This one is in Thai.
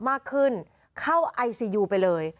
มากขึ้นเข้าไอซียูไปเลย